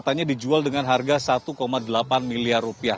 katanya dijual dengan harga satu delapan miliar rupiah